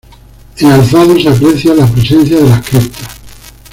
En alzado se aprecia la presencia de las criptas.